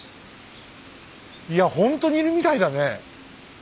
いやほんとにいるみたいだね。